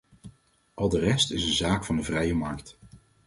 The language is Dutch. Al de rest is een zaak van de vrije markt.